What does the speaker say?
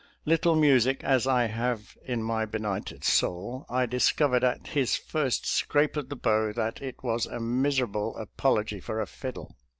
Little music as I have in my benighted soul, I discovered at his first scrape of the bow that it was a miserable apology for a fiddle.